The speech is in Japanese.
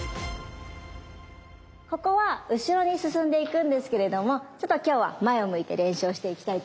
ここは後ろに進んでいくんですけれどもちょっと今日は前を向いて練習をしていきたいと思います。